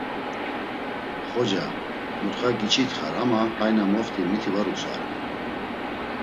“Xoca, mutxa giç̌itxar ama hay na moft̆i miti var utzvare.”